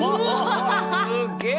すげえ。